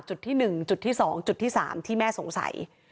จุดที่หนึ่งจุดที่สองจุดที่สามที่แม่สงสัย